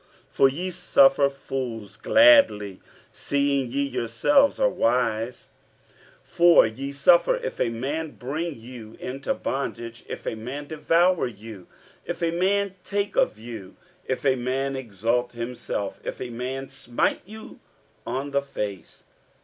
47:011:019 For ye suffer fools gladly, seeing ye yourselves are wise. 47:011:020 For ye suffer, if a man bring you into bondage, if a man devour you, if a man take of you, if a man exalt himself, if a man smite you on the face.